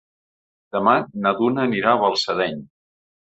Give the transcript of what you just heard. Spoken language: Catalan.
Demà na Duna anirà a Balsareny.